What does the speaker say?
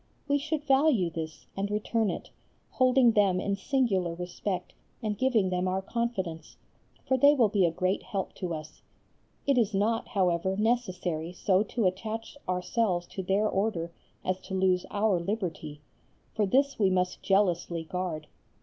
We should value this and return it, holding them in singular respect and giving them our confidence, for they will be a great help to us. It is not, however, necessary so to attach ourselves to their Order as to lose our liberty, for this we must jealously guard.